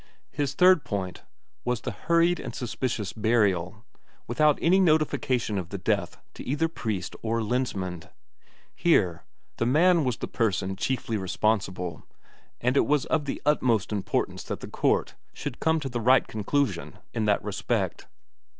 His third point was the hurried and suspicious burial, without any notification of the death to either priest or Lensmand. Here, the man was the person chiefly responsible, and it was of the utmost importance that the court should come to the right conclusion in that respect.